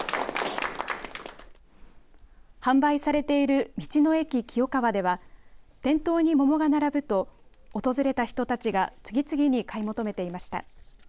販売されている道の駅きよかわでは店頭に桃が並ぶと訪れた人たちが次々に買い求めていました。